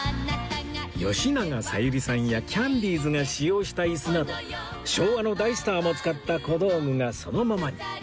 吉永小百合さんやキャンディーズが使用した椅子など昭和の大スターも使った小道具がそのままに